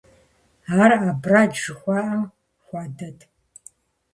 Ар абрэдж жыхуаӀэм хуэдэт.